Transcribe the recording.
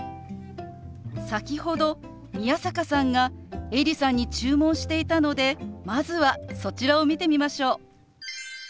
先ほど宮坂さんがエリさんに注文していたのでまずはそちらを見てみましょう。